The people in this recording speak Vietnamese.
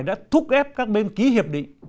đã thúc ép các bên ký hiệp định